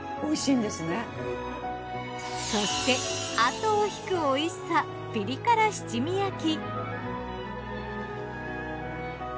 そして後を引くおいしさピリ辛七味焼き。